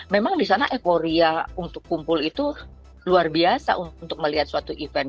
memang di sana euforia untuk kumpul itu luar biasa untuk melihat suatu event